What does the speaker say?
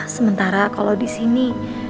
sementara kalau di sini